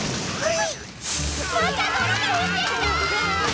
また泥が降ってきた！